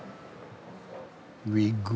ウィッグを。